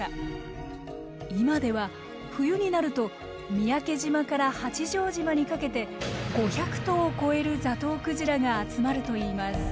今では冬になると三宅島から八丈島にかけて５００頭を超えるザトウクジラが集まるといいます。